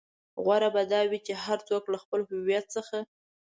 غوره به دا وي چې هر څوک له خپل هويت څخه.